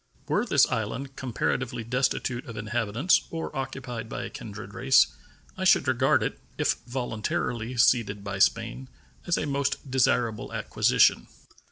Were this island comparatively destitute of inhabitants or occupied by a kindred race, I should regard it, if voluntarily ceded by Spain, as a most desirable acquisition.